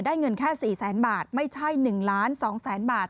ได้เงินแค่สี่แสนบาทไม่ใช่๑๒๐๐๐๐๐บาท